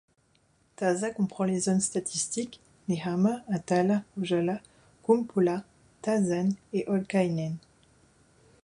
Tasa comprend les zones statistiques: Niihama, Atala, Ojala, Kumpula, Tasanne et Olkahinen.